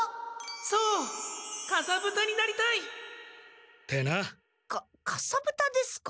そうかさぶたになりたい！ってな。かかさぶたですか！？